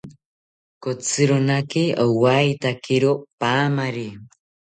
Kotzironaki owaetakiro paamari